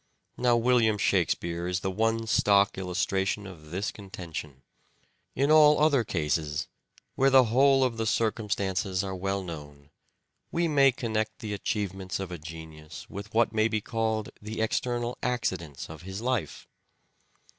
Now William Shakspere is the one stock illustration of this contention. In all other cases, where the whole of the circumstances are well known, we may connect the achievements of a genius with what may be called the external accidents of his life.